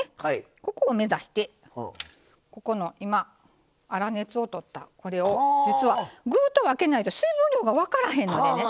ここを目指して今粗熱をとったこれを実は具と分けないと水分量が分からへんのでね。